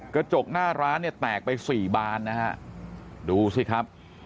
กระจกหน้าร้านเนี่ยแตกไปสี่บานนะฮะดูสิครับ